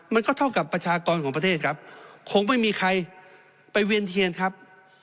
มันก็เท่ากับประชากรของประเทศครับคงไม่มีใครไปเวียนเทียนครับ